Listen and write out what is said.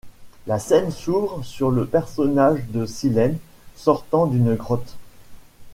La scène s'ouvre sur le personnage de Silène sortant d'une grotte.